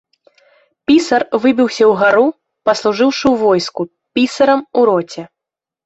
Пісар выбіўся ўгару, паслужыўшы ў войску, пісарам у роце.